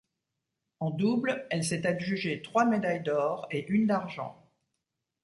En double, elle s'est adjugée trois médailles d'or et une d'argent.